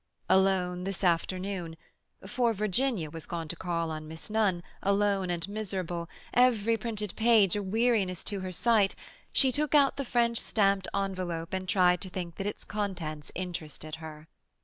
Alone this afternoon, for Virginia was gone to call on Miss Nunn, alone and miserable, every printed page a weariness to her sight, she took out the French stamped envelope and tried to think that its contents interested her.